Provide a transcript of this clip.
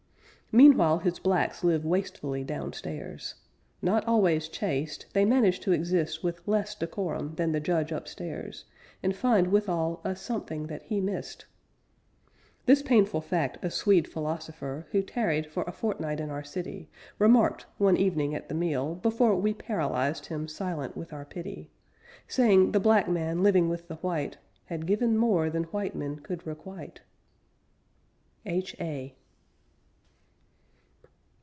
Meanwhile his blacks live wastefully downstairs; Not always chaste, they manage to exist With less decorum than the judge upstairs, And find withal a something that he missed. This painful fact a Swede philosopher, Who tarried for a fortnight in our city, Remarked, one evening at the meal, before We paralyzed him silent with our pity Saying the black man living with the white Had given more than white men could requite. H.A.